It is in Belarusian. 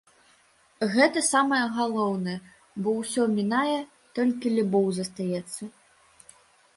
Гэта самае галоўнае, бо ўсё мінае, толькі любоў застаецца.